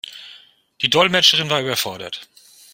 Die Dolmetscherin war überfordert.